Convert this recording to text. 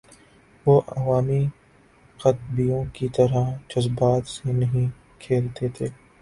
وہ عوامی خطیبوں کی طرح جذبات سے نہیں کھیلتے تھے۔